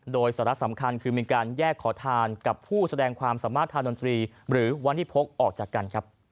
โดยสาระสำคัญคือมีการแยกขอทานกับผู้แสดงความสามารถทานดนตรีหรือวันที่พกออกจากกันครับ